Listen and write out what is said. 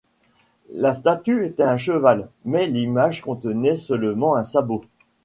La statue était un cheval, mais l'image contenait seulement un sabot.